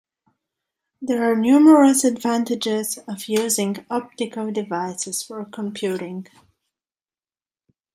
There are numerous advantages of using optical devices for computing.